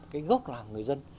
cái gốc là người dân